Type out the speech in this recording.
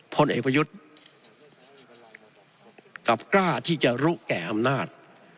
พลเอกประยุทธ์กลับกล้าที่จะรู้แก่อำนาจ